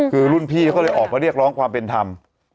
คือรุ่นพี่เขาเลยออกมาเรียกร้องความเป็นธรรม